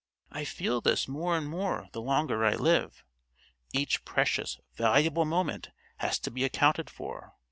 I feel this more and more the longer I live. Each precious, valuable moment has to be accounted for.